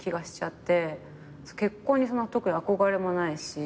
結婚に特に憧れもないし。